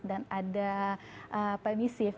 dan ada permisif